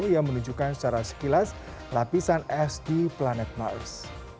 yang menunjukkan secara sekilas lapisan es di planet mars